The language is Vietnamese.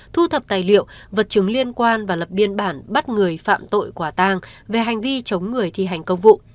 thu thập tài liệu vật chứng liên quan và lập biên bản bắt người phạm tội quả tang về hành vi chống người thi hành công vụ